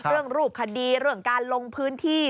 รูปคดีเรื่องการลงพื้นที่